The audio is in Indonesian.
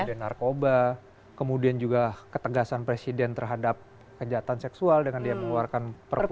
ada narkoba kemudian juga ketegasan presiden terhadap kejahatan seksual dengan dia mengeluarkan perpu